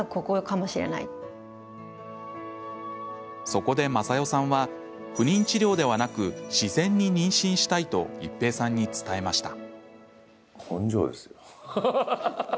そこで雅代さんは不妊治療ではなく自然に妊娠したいと一平さんに伝えました。